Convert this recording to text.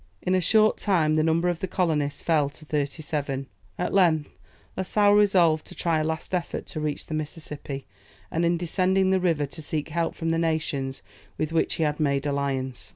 In a short time, the number of the colonists fell to thirty seven. At length, La Sale resolved to try a last effort to reach the Mississippi, and in descending the river to seek help from the nations with which he had made alliance.